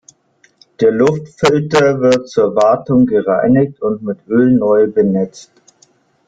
Der Luftfilter wird zur Wartung gereinigt und mit Öl neu benetzt.